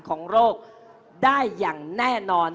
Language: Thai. ของโรคได้อย่างแน่นอน